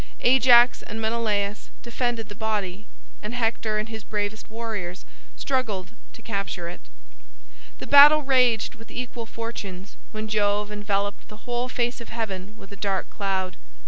Ajax and Menelaus defended the body, and Hector and his bravest warriors struggled to capture it. The battle raged with equal fortunes, when Jove enveloped the whole face of heaven with a dark cloud.